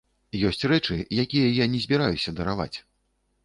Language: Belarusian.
Ёсць рэчы, якія я не збіраюся дараваць.